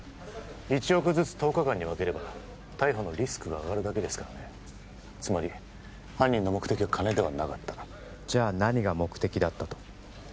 １億ずつ１０日間に分ければ逮捕のリスクが上がるだけですからねつまり犯人の目的は金ではなかったじゃあ何が目的だったと？